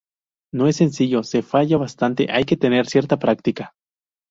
No es sencillo, se falla bastante, hay que tener cierta práctica.